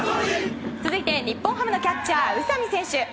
続いて日本ハムのキャッチャー宇佐見選手。